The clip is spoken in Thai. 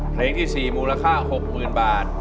เพลงที่๔มูลค่า๖๐๐๐บาท